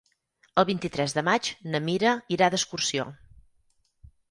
El vint-i-tres de maig na Mira irà d'excursió.